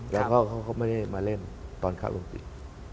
แล้วเขาไม่ได้มาเล่นตอนขาล่วงติด